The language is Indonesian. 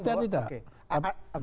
karena militer tidak